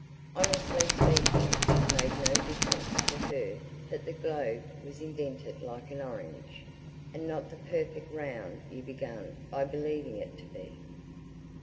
Honestly speaking, it made no difference to her that the globe was indented like an orange, and not the perfect round you began by believing it to be.